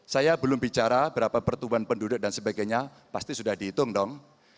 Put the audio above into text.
saya belum bicara berapa pertumbuhan penduduk dan sebagainya pasti sudah dihitung dong